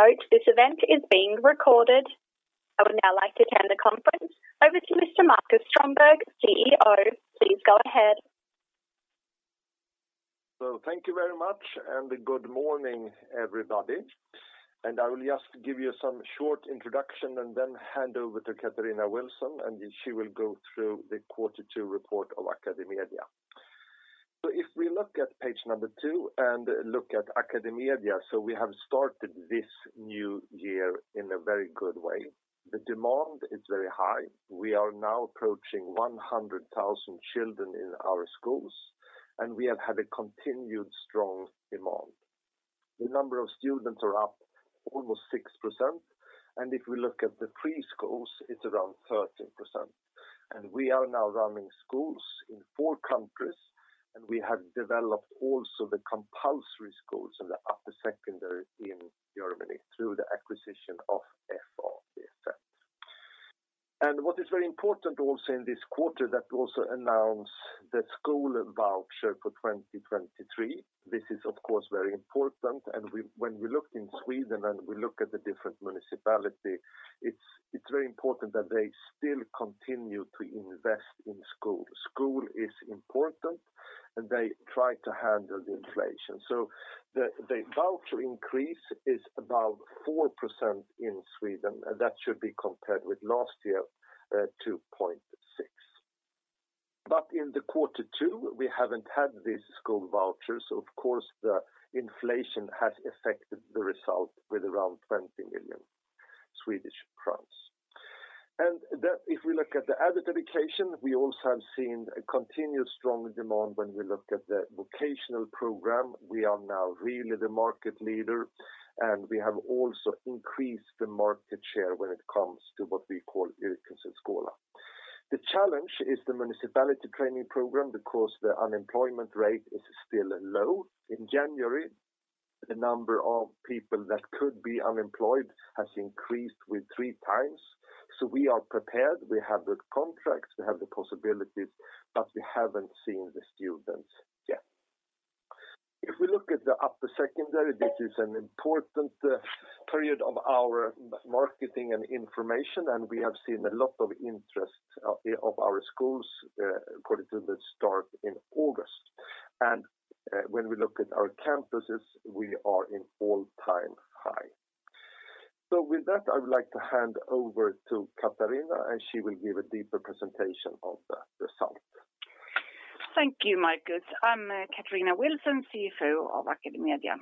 note this event is being recorded. I would now like to turn the conference over to Mr. Marcus Strömberg, CEO. Please go ahead. Thank you very much, and good morning, everybody. I will just give you some short introduction and then hand over to Katarina Wilson. She will go through the Q2 report of AcadeMedia. If we look at page number two. Look at AcadeMedia. We have started this new year in a very good way. The demand is very high. We are now approaching 100,000 children in our schools. We have had a continued strong demand. The number of students are up almost 6%. If we look at the preschools, it's around 13%. We are now running schools in four countries. We have developed also the compulsory schools in the upper secondary in Germany through the acquisition of FAWZ. What is very important also in this quarter that we also announce the school voucher for 2023. This is of course, very important. When we looked in Sweden and we look at the different municipalities, it's very important that they still continue to invest in school. School is important. They try to handle the inflation. The voucher increase is about 4% in Sweden. That should be compared with last year, 2.6%. In the quarter two, we haven't had these school vouchers. Of course, the inflation has affected the result with around 20 million Swedish crowns. That if we look at the adult education, we also have seen a continuous strong demand when we look at the vocational program. We are now really the market leader. We have also increased the market share when it comes to what we call Yrkeshögskola. The challenge is the municipality training program because the unemployment rate is still low. In January, the number of people that could be unemployed has increased with three times. We are prepared. We have the contracts, we have the possibilities, but we haven't seen the students yet. If we look at the upper secondary, this is an important period of our marketing and information, and we have seen a lot of interest of our schools, put it to the start in August. When we look at our campuses, we are in all-time high. With that, I would like to hand over to Katarina, and she will give a deeper presentation of the result. Thank you, Marcus. I'm Katarina Wilson, CFO of AcadeMedia.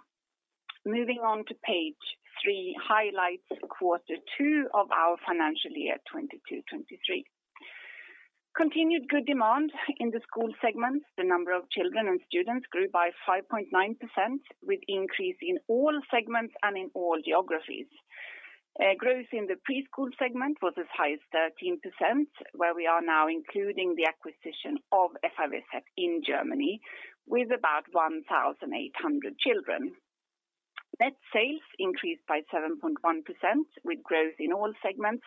Moving on to page three, highlights quarter two of our financial year 2022, 2023. Continued good demand in the school segments. The number of children and students grew by 5.9%, with increase in all segments and in all geographies. Growth in the preschool segment was as high as 13%, where we are now including the acquisition of FAWZ in Germany with about 1,800 children. Net sales increased by 7.1%, with growth in all segments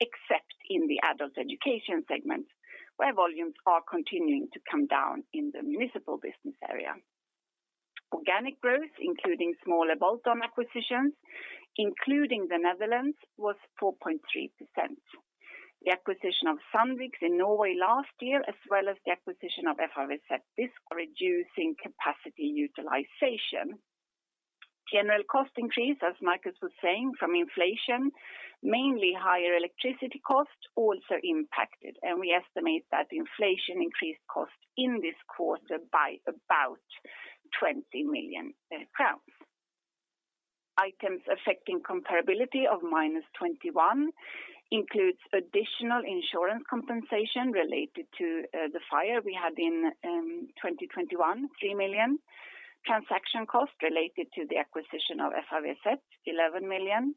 except in the adult education segment, where volumes are continuing to come down in the municipal business area. Organic growth, including smaller bolt-on acquisitions, including the Netherlands, was 4.3%. The acquisition of Sandvik in Norway last year, as well as the acquisition of FAWZ, this reducing capacity utilization. General cost increase, as Marcus was saying, from inflation, mainly higher electricity costs also impacted. We estimate that inflation increased costs in this quarter by about 20 million crowns. Items affecting comparability of -21 million includes additional insurance compensation related to the fire we had in 2021, 3 million. Transaction costs related to the acquisition of FAWZ, 11 million,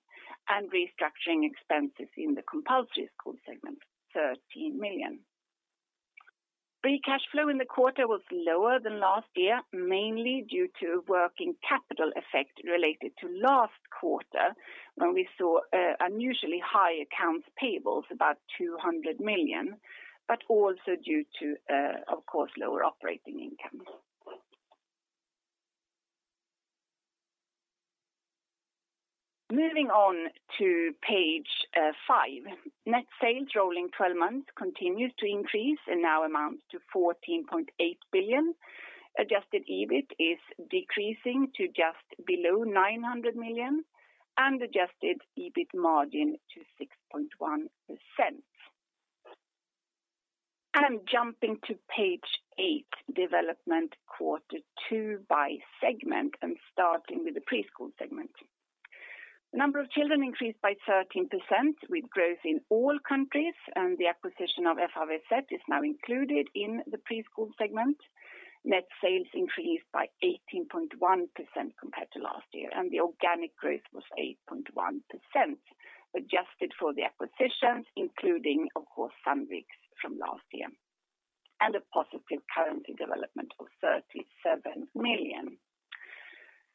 and restructuring expenses in the compulsory school segment, 13 million. Free cash flow in the quarter was lower than last year, mainly due to working capital effect related to last quarter when we saw unusually high accounts payables, about 200 million, but also due to, of course, lower operating income. Moving on to page 5. Net sales rolling 12 months continues to increase and now amounts to 14.8 billion. Adjusted EBIT is decreasing to just below 900 million and adjusted EBIT margin to 6.1%. I'm jumping to page 8, development quarter two by segment. I'm starting with the preschool segment. The number of children increased by 13% with growth in all countries, and the acquisition of FAWZ is now included in the preschool segment. Net sales increased by 18.1% compared to last year, and the organic growth was 8.1%, adjusted for the acquisitions, including, of course, Stepke's from last year, and a positive currency development of 37 million.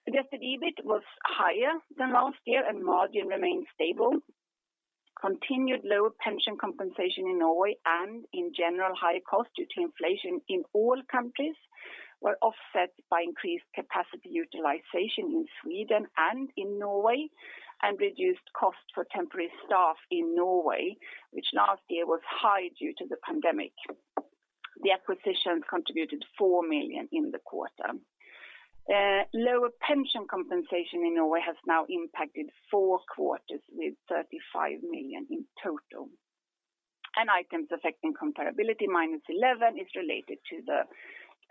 Adjusted EBIT was higher than last year, and margin remained stable. Continued low pension compensation in Norway and in general, high cost due to inflation in all countries were offset by increased capacity utilization in Sweden and in Norway, and reduced cost for temporary staff in Norway, which last year was high due to the pandemic. The acquisitions contributed 4 million in the quarter. Lower pension compensation in Norway has now impacted 4 quarters with 35 million in total. Items affecting comparability, -11, is related to the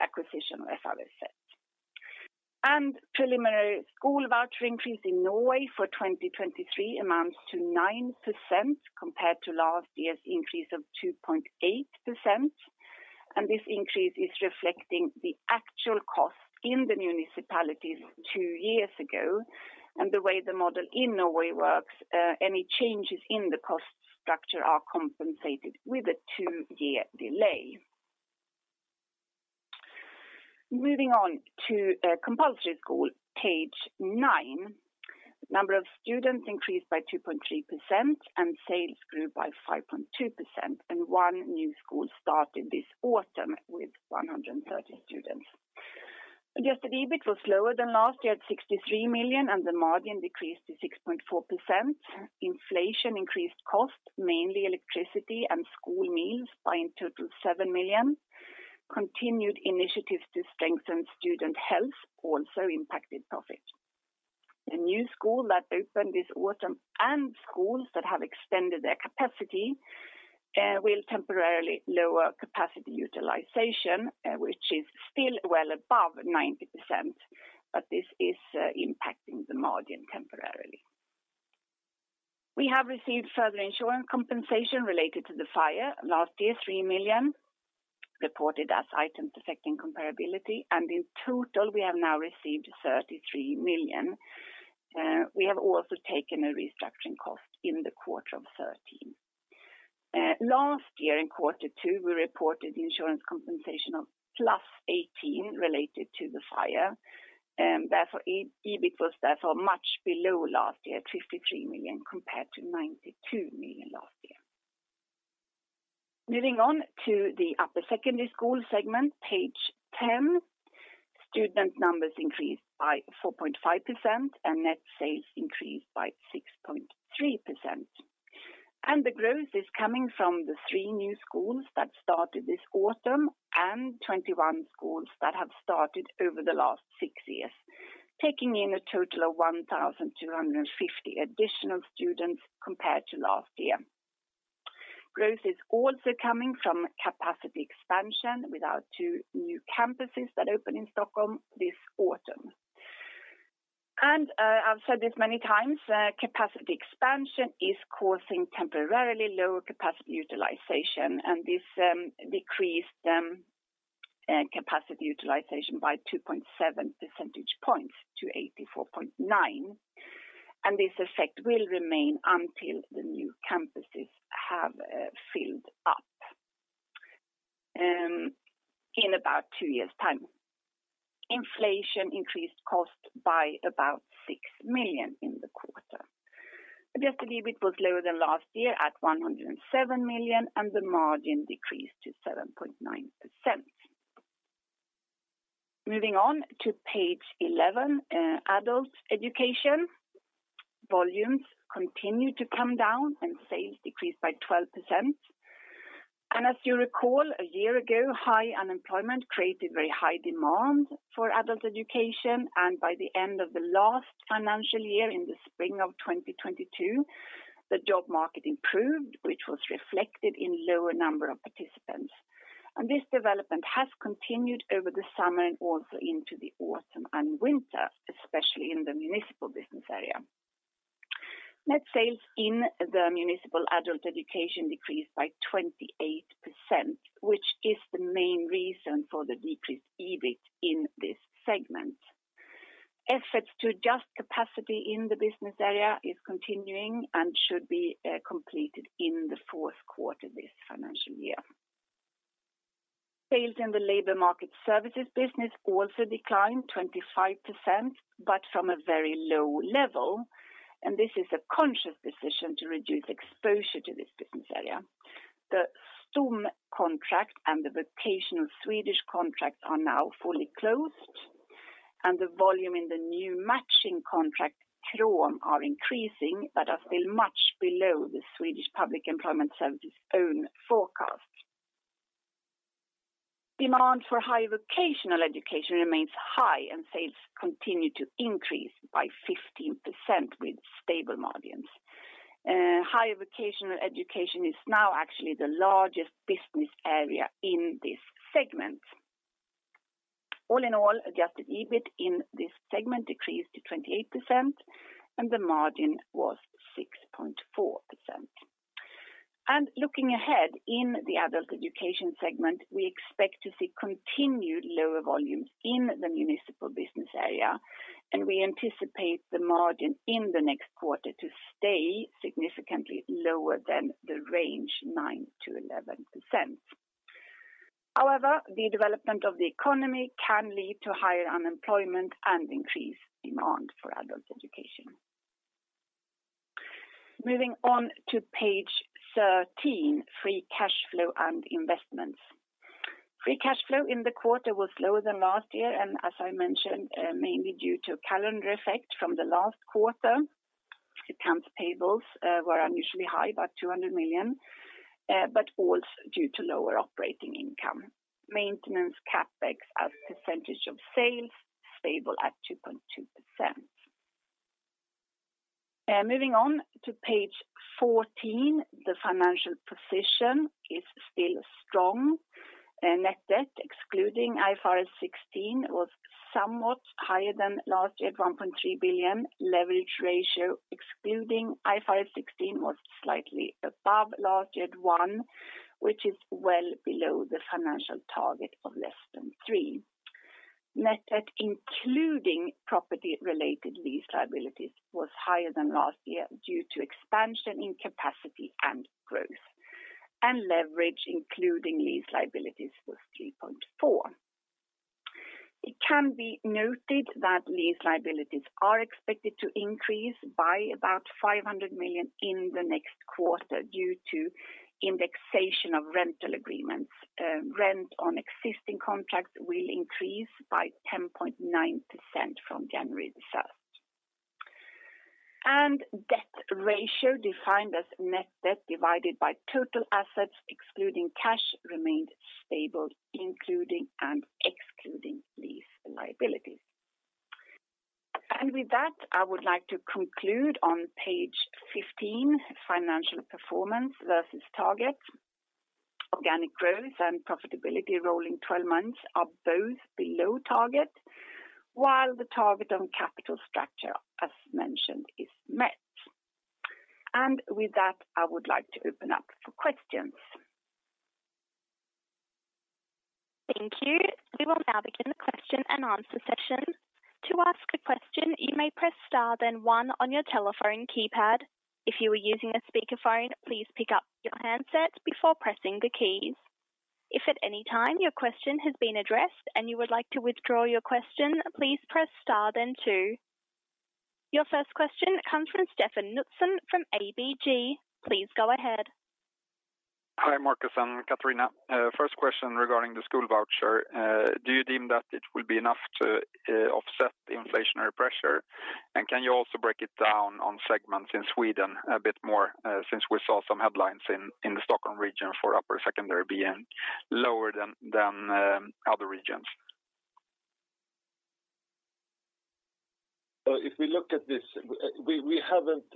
acquisition of FAWZ. Preliminary school voucher increase in Norway for 2023 amounts to 9% compared to last year's increase of 2.8%. This increase is reflecting the actual costs in the municipalities 2 years ago. The way the model in Norway works, any changes in the cost structure are compensated with a 2-year delay. Moving on to compulsory school, page 9. Number of students increased by 2.3%, sales grew by 5.2%, 1 new school started this autumn with 130 students. Adjusted EBIT was lower than last year at 63 million, the margin decreased to 6.4%. Inflation increased cost, mainly electricity and school meals, by in total 7 million. Continued initiatives to strengthen student health also impacted profit. The new school that opened this autumn and schools that have extended their capacity will temporarily lower capacity utilization, which is still well above 90%, but this is impacting the margin temporarily. We have received further insurance compensation related to the fire. Last year, 3 million reported as items affecting comparability, and in total, we have now received 33 million. We have also taken a restructuring cost in the quarter of 13 million. Last year in quarter two, we reported insurance compensation of +18 million related to the fire. Therefore, EBIT was, therefore, much below last year at 53 million compared to 92 million last year. Moving on to the upper secondary school segment, page 10. Student numbers increased by 4.5%. Net sales increased by 6.3%. The growth is coming from the 3 new schools that started this autumn and 21 schools that have started over the last 6 years, taking in a total of 1,250 additional students compared to last year. Growth is also coming from capacity expansion with our 2 new campuses that opened in Stockholm this autumn. I've said this many times, capacity expansion is causing temporarily lower capacity utilization, and this decreased capacity utilization by 2.7 percentage points to 84.9. This effect will remain until the new campuses have filled up in about 2 years' time. Inflation increased cost by about 6 million in the quarter. Adjusted EBIT was lower than last year at 107 million, and the margin decreased to 7.9%. Moving on to page 11, adult education. Volumes continue to come down, and sales decreased by 12%. As you recall, a year ago, high unemployment created very high demand for adult education, and by the end of the last financial year in the spring of 2022, the job market improved, which was reflected in lower number of participants. This development has continued over the summer and also into the autumn and winter, especially in the municipal business area. Net sales in the municipal adult education decreased by 28%, which is the main reason for the decreased EBIT in this segment. Efforts to adjust capacity in the business area is continuing and should be completed in the fourth quarter this financial year. Sales in the labor market services business also declined 25%, but from a very low level, and this is a conscious decision to reduce exposure to this business area. The STOM contract and the vocational Swedish contract are now fully closed, and the volume in the new matching contract, KROM, are increasing, but are still much below the Swedish Public Employment Service' own forecast. Demand for higher vocational education remains high, and sales continue to increase by 15% with stable margins. Higher vocational education is now actually the largest business area in this segment. All in all, adjusted EBIT in this segment decreased to 28% and the margin was 6.4%. Looking ahead in the adult education segment, we expect to see continued lower volumes in the municipal business area, and we anticipate the margin in the next quarter to stay significantly lower than the range 9%-11%. However, the development of the economy can lead to higher unemployment and increased demand for adult education. Moving on to page 13, free cash flow and investments. Free cash flow in the quarter was lower than last year, and as I mentioned, mainly due to calendar effect from the last quarter. Accounts payables were unusually high, about 200 million, but also due to lower operating income. Maintenance CapEx as percentage of sales stable at 2.2%. Moving on to page 14, the financial position is still strong. Net debt, excluding IFRS 16, was somewhat higher than last year at 1.3 billion. Leverage ratio excluding IFRS 16 was slightly above last year at 1, which is well below the financial target of less than 3. Net debt, including property-related lease liabilities, was higher than last year due to expansion in capacity and growth. Leverage, including lease liabilities, was 3.4. It can be noted that lease liabilities are expected to increase by about 500 million in the next quarter due to indexation of rental agreements. Rent on existing contracts will increase by 10.9% from January 1st. Debt ratio defined as net debt divided by total assets excluding cash remained stable, including and excluding lease liabilities. With that, I would like to conclude on page 15, financial performance versus target. Organic growth and profitability rolling 12 months are both below target, while the target on capital structure, as mentioned, is met. With that, I would like to open up for questions. Thank you. We will now begin the question and answer session. To ask a question, you may press star then one on your telephone keypad. If you are using a speakerphone, please pick up your handset before pressing the keys. If at any time your question has been addressed and you would like to withdraw your question, please press star then two. Your first question comes from Steffen Knutsson from ABG. Please go ahead. Hi, Marcus and Katarina. First question regarding the school voucher. Do you deem that it will be enough to offset the inflationary pressure? Can you also break it down on segments in Sweden a bit more, since we saw some headlines in the Stockholm region for upper secondary being lower than other regions? If we look at this, we haven't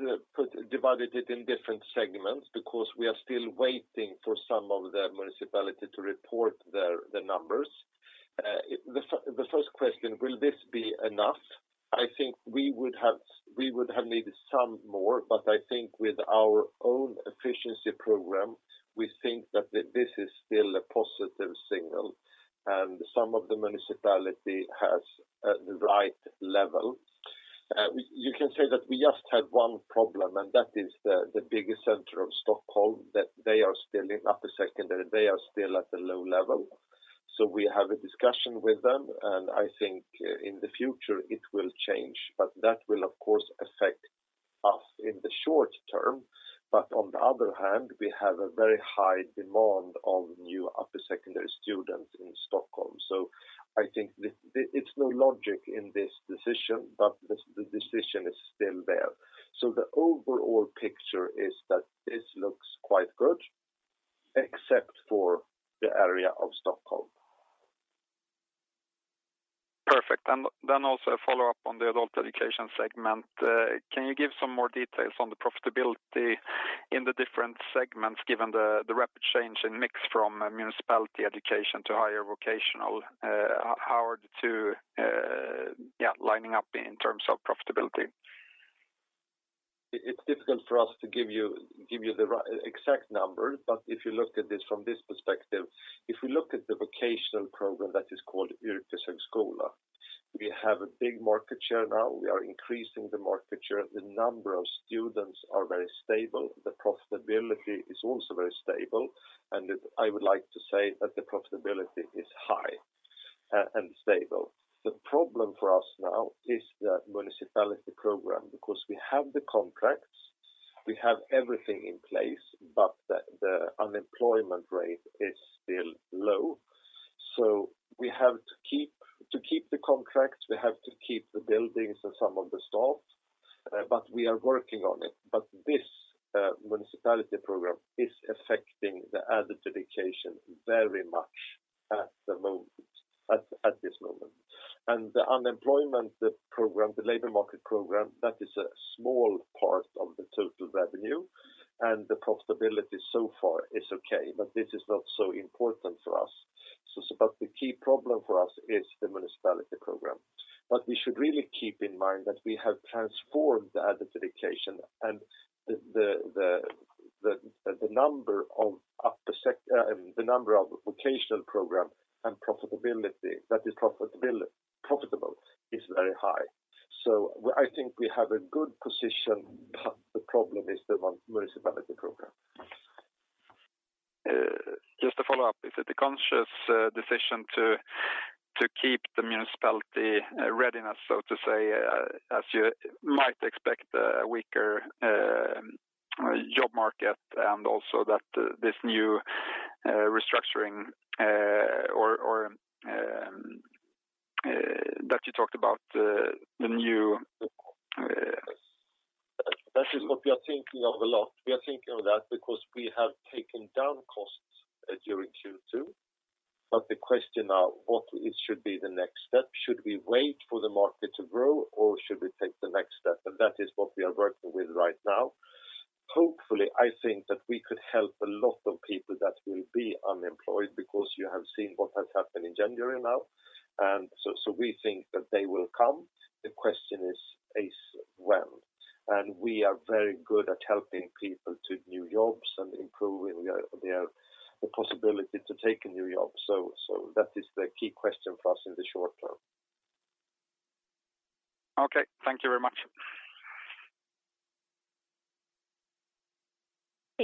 divided it in different segments because we are still waiting for some of the municipality to report the numbers. The first question, will this be enough? I think we would have needed some more, but I think with our own efficiency program, we think that this is still a positive signal and some of the municipality has the right level. You can say that we just had one problem, and that is the biggest center of Stockholm, that they are still in upper secondary. They are still at a low level. We have a discussion with them, and I think in the future it will change. That will, of course, affect us in the short term. On the other hand, we have a very high demand of new upper secondary students in Stockholm. I think it's no logic in this decision, but the decision is still there. The overall picture is that this looks quite good except for the area of Stockholm. Perfect. Also a follow-up on the adult education segment. Can you give some more details on the profitability in the different segments given the rapid change in mix from municipality education to higher vocational? How are the two, yeah, lining up in terms of profitability? It's difficult for us to give you the exact number. If you look at this from this perspective, if we look at the vocational program that is called Yrkeshögskola, we have a big market share now. We are increasing the market share. The number of students are very stable. The profitability is also very stable. I would like to say that the profitability is high and stable. The problem for us now is the municipality program, because we have the contracts, we have everything in place, but the unemployment rate is still low. We have to keep the contracts, we have to keep the buildings and some of the staff, but we are working on it. This municipality program is affecting the adult education very much at the moment, at this moment. The unemployment program, the labor market program, that is a small part of the total revenue and the profitability so far is okay, but this is not so important for us. The key problem for us is the municipality program. We should really keep in mind that we have transformed the adult education and the number of vocational program and profitability that is profitable is very high. I think we have a good position, but the problem is the municipality program. Just to follow up, is it a conscious decision to keep the municipality readiness, so to say, as you might expect a weaker job market and also that this new restructuring, or that you talked about, the new? That is what we are thinking of a lot. We are thinking of that because we have taken down costs during Q2. The question now, what should be the next step? Should we wait for the market to grow, or should we take the next step? That is what we are working with right now. Hopefully, I think that we could help a lot of people that will be unemployed because you have seen what has happened in January now. So we think that they will come. The question is pace when. We are very good at helping people to new jobs and improving the possibility to take a new job. So that is the key question for us in the short term. Okay. Thank you very much.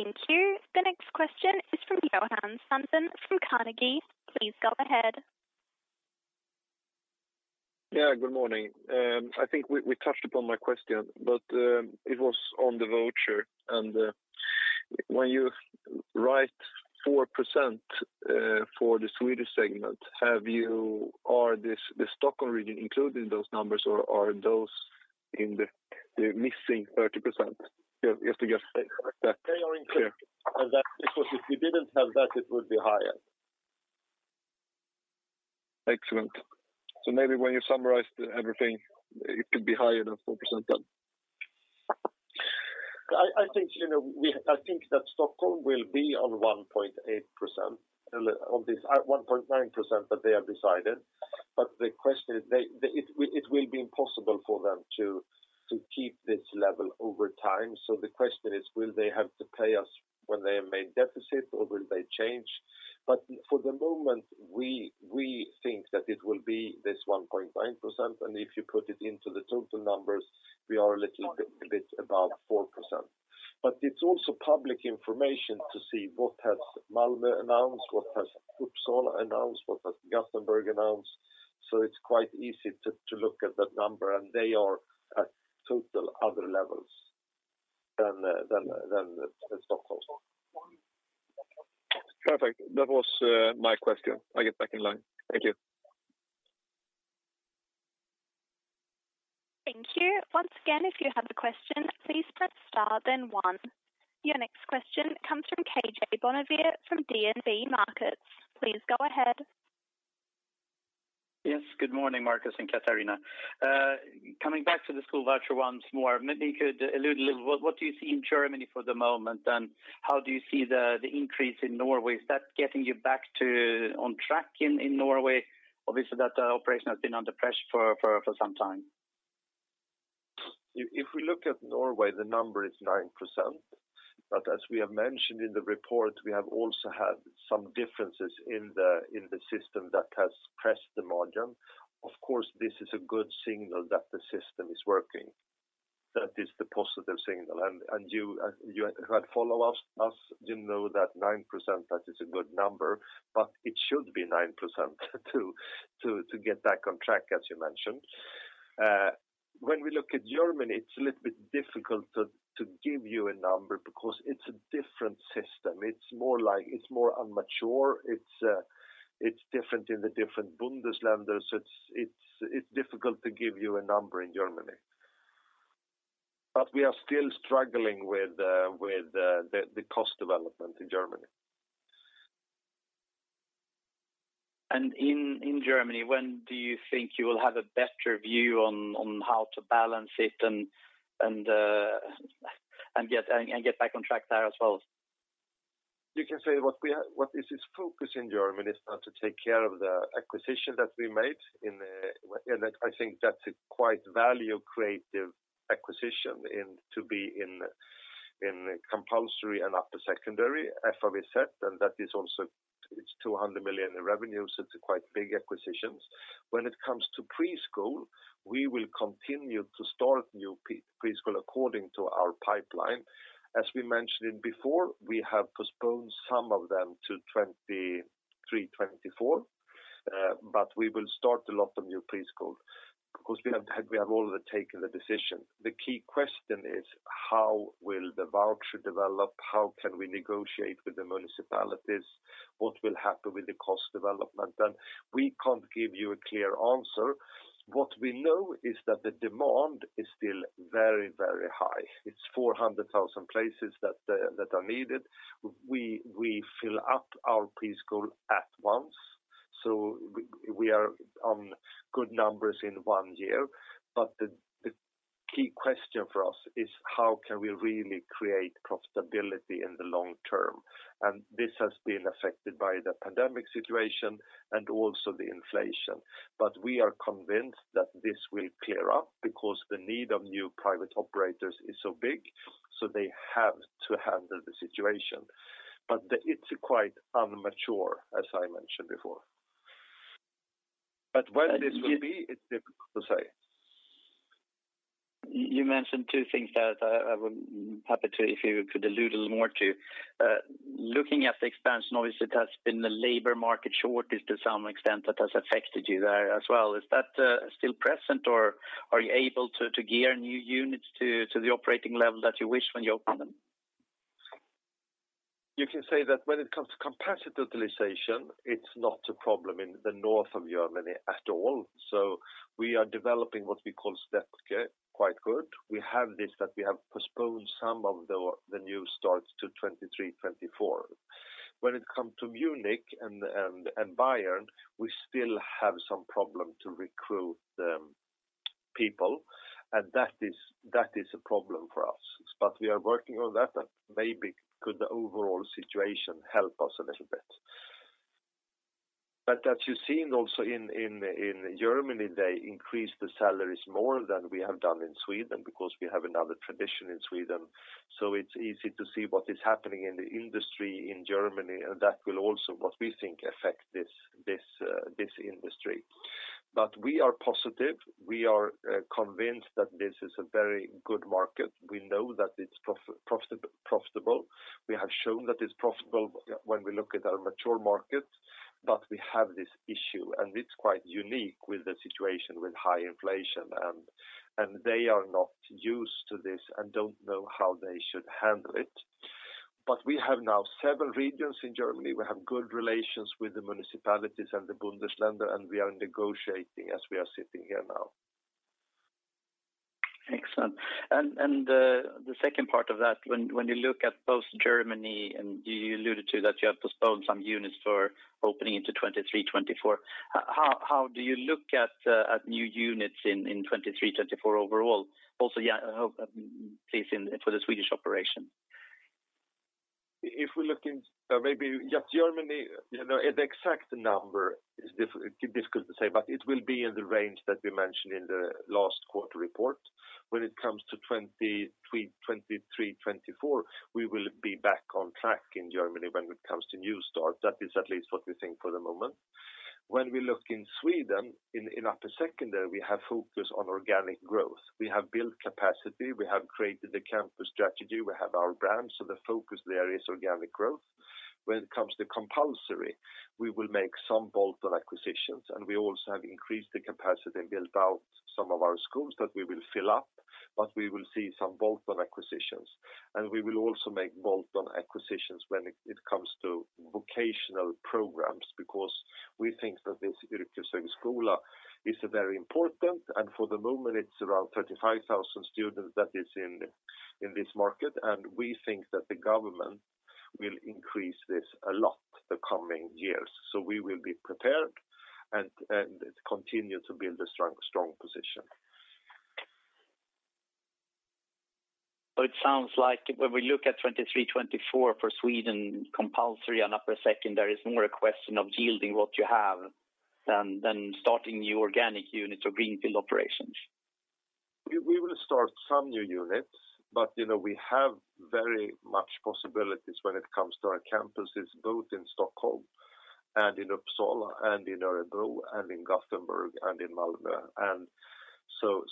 Thank you. The next question is from Johan Sandson from Carnegie. Please go ahead. Good morning. I think we touched upon my question, but it was on the voucher. When you write 4% for the Swedish segment, are the Stockholm region included in those numbers, or are those in the missing 30%? Just to get that clear. They are included. Because if we didn't have that, it would be higher. Excellent. Maybe when you summarize everything, it could be higher than 4% then. I think, you know, I think that Stockholm will be on 1.8% of this 1.9% that they have decided. The question is it will be impossible for them to keep this level over time. The question is, will they have to pay us when they have made deficit or will they change? For the moment, we think that it will be this 1.9%. If you put it into the total numbers, we are a little bit above 4%. It's also public information to see what has Malmo announced, what has Uppsala announced, what has Gothenburg announced. It's quite easy to look at that number, and they are at total other levels than the Stockholm one. Perfect. That was my question. I get back in line. Thank you. Thank you. Once again, if you have a question, please press star then one. Your next question comes from Karl-Johan Bonnevier from DNB Markets. Please go ahead. Yes. Good morning, Marcus and Katarina. Coming back to the school voucher once more, maybe you could allude a little what do you see in Germany for the moment, and how do you see the increase in Norway? Is that getting you back to on track in Norway? Obviously, that operation has been under pressure for some time. If we look at Norway, the number is 9%. As we have mentioned in the report, we have also had some differences in the system that has pressed the margin. Of course, this is a good signal that the system is working. That is the positive signal. You who had follow us, you know that 9%, that is a good number, but it should be 9% to get back on track, as you mentioned. When we look at Germany, it's a little bit difficult to give you a number because it's a different system. It's more immature. It's different in the different Bundesländer. It's difficult to give you a number in Germany. We are still struggling with the cost development in Germany. In Germany, when do you think you will have a better view on how to balance it and get back on track there as well? You can say what is this focus in Germany is now to take care of the acquisition that we made in. I think that's a quite value creative acquisition and to be in compulsory and upper secondary, as far we've said, and that is also, it's 200 million in revenue. It's a quite big acquisitions. When it comes to preschool, we will continue to start new pre-preschool according to our pipeline. As we mentioned before, we have postponed some of them to 2023, 2024, we will start a lot of new preschool because we have already taken the decision. The key question is: How will the voucher develop? How can we negotiate with the municipalities? What will happen with the cost development? we can't give you a clear answer. What we know is that the demand is still very, very high. It's 400,000 places that are needed. We fill up our preschool at once, so we are on good numbers in one year. The key question for us is how can we really create profitability in the long term? This has been affected by the pandemic situation and also the inflation. We are convinced that this will clear up because the need of new private operators is so big, so they have to handle the situation. It's quite immature, as I mentioned before. When this will be, it's difficult to say. You mentioned two things that I would be happy to, if you could allude a little more to. Looking at the expansion, obviously it has been the labor market shortage to some extent that has affected you there as well. Is that still present, or are you able to gear new units to the operating level that you wish when you open them? You can say that when it comes to capacity utilization, it's not a problem in the north of Germany at all. We are developing what we call Stepke quite good. We have this that we have postponed some of the new starts to 2023, 2024. When it come to Munich and Bayern, we still have some problem to recruit people, and that is a problem for us. We are working on that, and maybe could the overall situation help us a little bit. As you've seen also in Germany, they increased the salaries more than we have done in Sweden because we have another tradition in Sweden. It's easy to see what is happening in the industry in Germany, and that will also, what we think, affect this industry. We are positive. We are convinced that this is a very good market. We know that it's profitable. We have shown that it's profitable when we look at our mature market. We have this issue, and it's quite unique with the situation with high inflation, and they are not used to this and don't know how they should handle it. We have now several regions in Germany. We have good relations with the municipalities and the Bundesländer, and we are negotiating as we are sitting here now. Excellent. The second part of that, when you look at both Germany and you alluded to that you have postponed some units for opening into 2023, 2024. How do you look at new units in 2023, 2024 overall? Yeah, please for the Swedish operation. Maybe just Germany, you know, the exact number is difficult to say, but it will be in the range that we mentioned in the last quarter report. When it comes to 2023, 2024, we will be back on track in Germany when it comes to new start. That is at least what we think for the moment. When we look in Sweden, in upper secondary, we have focus on organic growth. We have built capacity, we have created the campus strategy, we have our brands. The focus there is organic growth. When it comes to compulsory, we will make some bolt-on acquisitions. We also have increased the capacity and built out some of our schools that we will fill up. We will see some bolt-on acquisitions. We will also make bolt-on acquisitions when it comes to vocational programs because we think that this Yrkesvux skola is very important. For the moment, it's around 35,000 students that is in this market. We think that the government will increase this a lot the coming years. We will be prepared and continue to build a strong position. It sounds like when we look at 2023, 2024 for Sweden compulsory and upper secondary, it's more a question of yielding what you have than starting new organic units or greenfield operations. We will start some new units, you know, we have very much possibilities when it comes to our campuses, both in Stockholm and in Uppsala and in Örebro and in Gothenburg and in Malmö.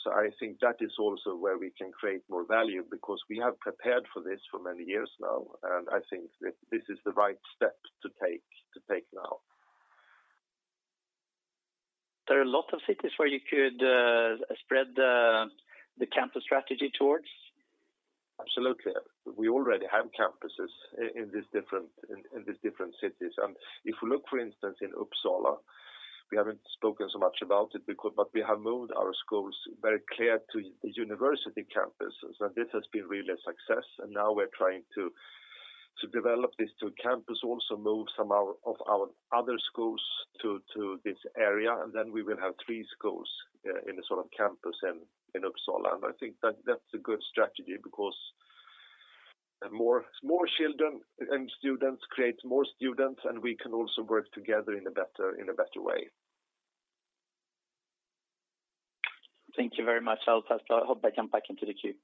I think that is also where we can create more value because we have prepared for this for many years now, and I think this is the right step to take now. There are a lot of cities where you could spread the campus strategy towards? Absolutely. We already have campuses in these different, in these different cities. If you look, for instance, in Uppsala, we haven't spoken so much about it because. We have moved our schools very clear to the university campuses, and this has been really a success. Now we're trying to develop this to a campus, also move some of our other schools to this area. Then we will have three schools in a sort of campus in Uppsala. I think that that's a good strategy because more children and students creates more students, and we can also work together in a better way. Thank you very much. I'll pass that. I hope I come back into the queue.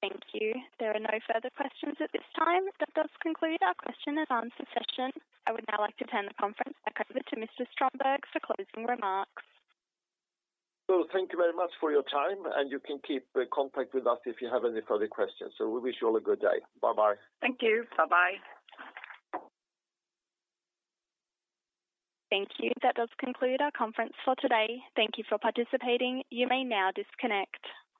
Thank you. There are no further questions at this time. That does conclude our question and answer session. I would now like to turn the conference back over to Mr. Strömberg for closing remarks. Thank you very much for your time, and you can keep contact with us if you have any further questions. We wish you all a good day. Bye-bye. Thank you. Bye-bye. Thank you. That does conclude our conference for today. Thank you for participating. You may now disconnect.